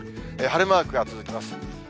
晴れマークが続きます。